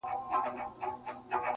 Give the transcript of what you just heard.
له حیا نه چي سر کښته وړې خجل سوې-